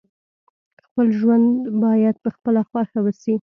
خپل ژوند باید په خپله خوښه وسي.